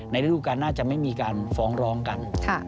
ฤดูการน่าจะไม่มีการฟ้องร้องกัน